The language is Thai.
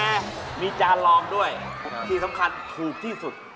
แต่มีจานลองด้วยที่สำคัญถูกที่สุด